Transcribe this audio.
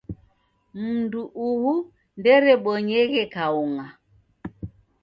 Mndu uhu nderebonyeghe kaung'a